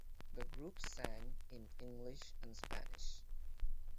The group sang in English and Spanish.